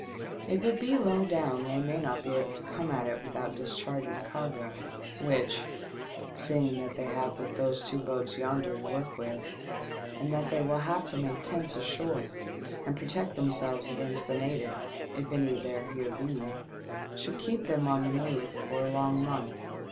If it be low down they may not be able to come at it without discharging cargo, which, seeing that they have but those two boats yonder to work with, and that they will have to make tents ashore and protect themselves against the natives — if any there here be — should keep them on the move for a long month.